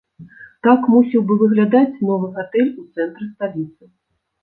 Так мусіў бы выглядаць новы гатэль у цэнтры сталіцы.